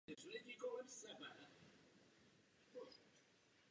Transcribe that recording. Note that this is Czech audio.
Vystudoval teologii.